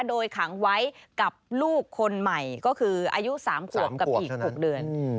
โดยขังไว้กับลูกคนใหม่ก็คืออายุ๓ขวบกับอีก๖เดือน